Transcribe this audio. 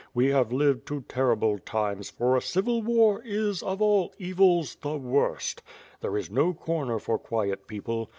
We have lived to terrible times, for a civil war is, of all evils, the worst. There is no corner for quiet people.